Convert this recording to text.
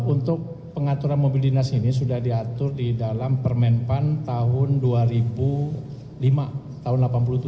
untuk pengaturan mobil dinas ini sudah diatur di dalam permentan tahun dua ribu lima tahun delapan puluh tujuh